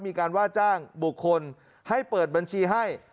มีการว่าจ้างบุคคลให้เปิดบัญชีให้